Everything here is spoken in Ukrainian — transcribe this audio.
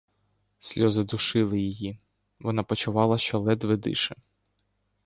Сльози душили її; вона почувала, що ледве дише.